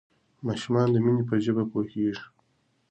ماشومان د مینې په ژبه پوهیږي.